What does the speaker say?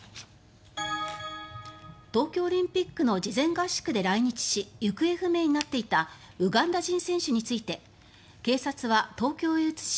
東京オリンピックの事前合宿で来日し行方不明になっていたウガンダ人選手について警察は、東京へ移し